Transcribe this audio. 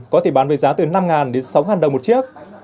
có thể bán với giá từ năm đến sáu đồng một chiếc